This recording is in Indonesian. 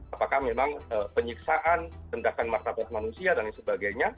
apakah memang penyiksaan rendahkan martabat manusia dan sebagainya